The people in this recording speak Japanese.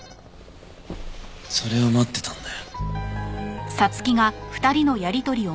それを待ってたんだよ。